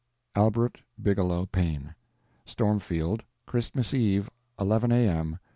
Albert Bigelow Paine. Stormfield, Christmas Eve, 11 A.M.